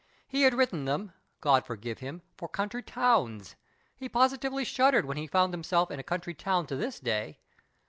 He had written them, God forgi^'e him, for country towns. He positively shuddered when he found himself in a country town, to this day.